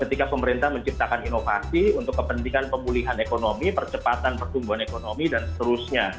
ketika pemerintah menciptakan inovasi untuk kepentingan pemulihan ekonomi percepatan pertumbuhan ekonomi dan seterusnya